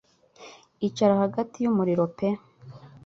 Icara hagati y'umuriro pe